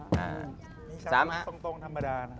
นี่จะตรงธรรมดานะ